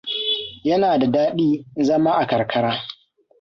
Yana da daɗi, zama a karkara.